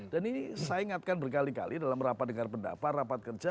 dan ini saya ingatkan berkali kali dalam rapat dengar pendapat rapat kerja